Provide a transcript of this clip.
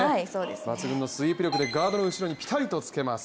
抜群のスイープ力でガードの下にぴたりとつけます。